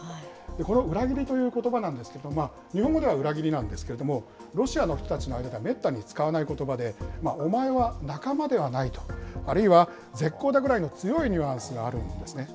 この裏切りということばなんですけれども、日本語では裏切りなんですけれども、ロシアの人たちの間ではめったに使わないことばで、お前は仲間ではないと、あるいは絶交だぐらいの強いニュアンスがあるんですね。